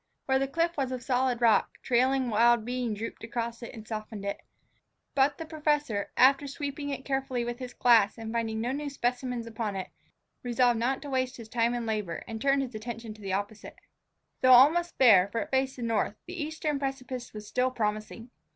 Where the cliff was of solid rock, trailing wild bean drooped across and softened it. But the professor, after sweeping it carefully with his glass and finding no new specimens upon it, resolved not to waste his time and labor, and turned his attention opposite. Though almost bare, for it faced the north, the eastern precipice still was promising.